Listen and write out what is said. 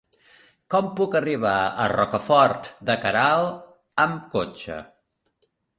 Com puc arribar a Rocafort de Queralt amb cotxe?